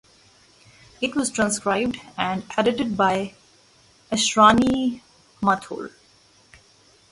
It was transcribed and edited by Ashrani Mathur.